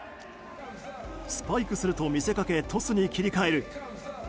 スパイクすると見せかけトスに切り替える。